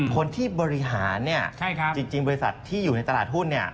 คนที่บริหารจริงบริษัทที่อยู่ในตลาดหุ้น